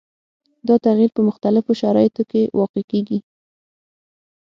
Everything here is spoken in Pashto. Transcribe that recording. دا تغیر په مختلفو شرایطو کې واقع کیږي.